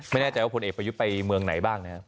ไม่แน่ใจว่าพลเอกประยุทธ์ไปเมืองไหนบ้างนะครับ